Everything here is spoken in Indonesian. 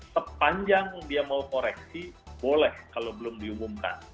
sepanjang dia mau koreksi boleh kalau belum diumumkan